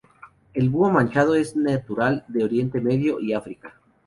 El búho manchado es natural de Oriente Medio y África.